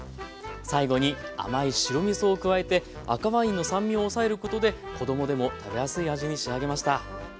最後に甘い白みそを加えて赤ワインの酸味を抑えることで子供でも食べやすい味に仕上げました。